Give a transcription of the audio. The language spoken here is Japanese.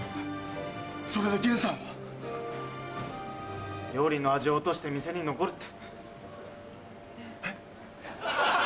それで源さんは？えっ？えっ？料理の味を落として店に残るって！